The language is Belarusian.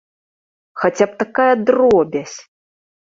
Хаця б такая дробязь!